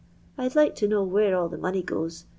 I'd like to know where all the money goes.